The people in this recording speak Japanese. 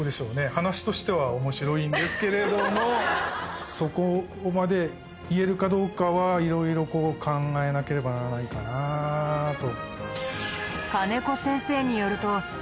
話としては面白いんですけれどもそこまで言えるかどうかは色々考えなければならないかなと。